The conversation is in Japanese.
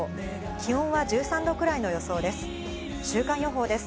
気温は１３度くらいの予想です。